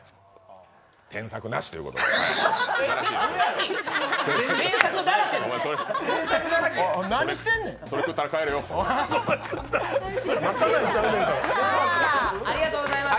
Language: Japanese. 添削なしということですばらしいです。